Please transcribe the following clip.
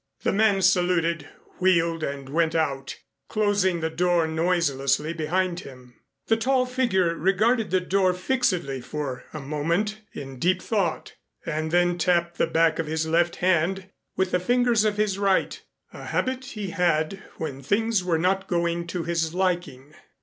The man saluted, wheeled and went out, closing the door noiselessly behind him. The tall figure regarded the door fixedly for a moment in deep thought, and then tapped the back of his left hand with the fingers of his right, a habit he had when things were not going to his liking.